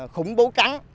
khủng bố trắng